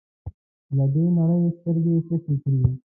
له دې نړۍ سترګې پټې کړې.